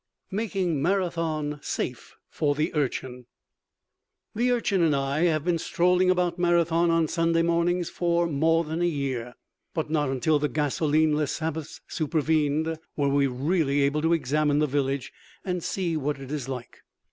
MAKING MARATHON SAFE FOR THE URCHIN The Urchin and I have been strolling about Marathon on Sunday mornings for more than a year, but not until the gasolineless Sabbaths supervened were we really able to examine the village and see what it is like.